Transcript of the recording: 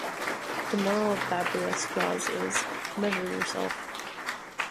The moral Babrius draws is, Measure yourself!